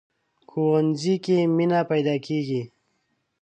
ښوونځی کې مینه پيداکېږي